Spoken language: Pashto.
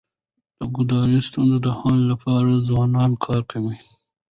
د کډوالی ستونزي د حل لپاره ځوانان کار کوي.